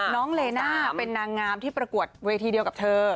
เลน่าเป็นนางงามที่ประกวดเวทีเดียวกับเธอ